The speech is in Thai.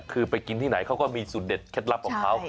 คือไปกินที่ไหนเขาก็มีสูตรเด็ดเคล็ดลับของเขา